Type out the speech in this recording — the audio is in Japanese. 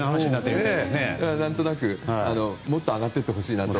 何となく、もっと上がっていってほしいなと。